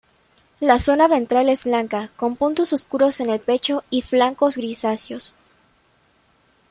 La zona ventral es blanca con puntos oscuros en el pecho y flancos grisáceos.